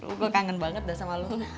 gue kangen banget dah sama lo